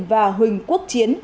và huỳnh quốc chiến